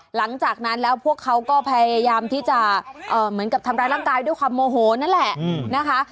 หลังจากนั้นแล้วพวกเขาก็พยายามที่จะเหมือนกับทำร้ายร่างกายด้วยความโมโหนั่นแหละนะคะ